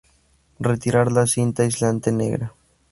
Retirar la cinta aislante negra.